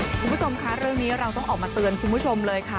คุณผู้ชมค่ะเรื่องนี้เราต้องออกมาเตือนคุณผู้ชมเลยค่ะ